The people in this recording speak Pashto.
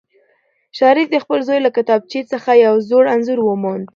شریف د خپل زوی له کتابچې څخه یو زوړ انځور وموند.